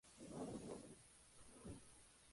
El Duque de Berwick es enviado para completar el sitio.